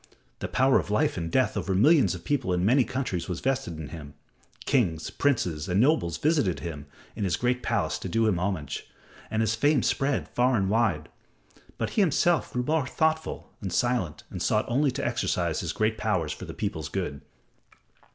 The power of life and death over millions of people in many countries was vested in him; kings, princes and nobles visited him in his great palace to do him homage, and his fame spread far and wide. But he himself grew more thoughtful and silent and sought only to exercise his great powers for the people's good.